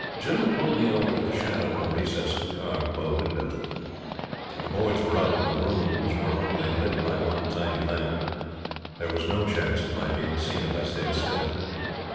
Janoo pulled me over to the shadow in the recess of the carved bow windows. The boards were up, and the rooms were only lit by one tiny lamp. There was no chance of my being seen if I stayed still.